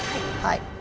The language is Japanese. はい。